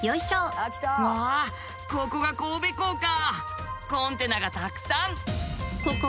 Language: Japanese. うわここが神戸港か。